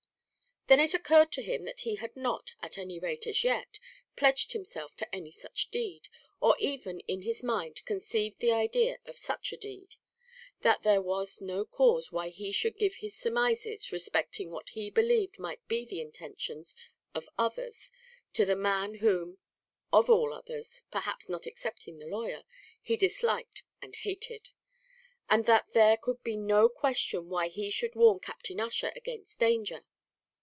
Then it occurred to him that he had not, at any rate as yet, pledged himself to any such deed, or even in his mind conceived the idea of such a deed; that there was no cause why he should give his surmises respecting what he believed might be the intentions of others to the man whom, of all others perhaps, not excepting the lawyer he disliked and hated; and that there could be no reason why he should warn Captain Ussher against danger.